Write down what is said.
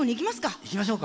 いきましょうか。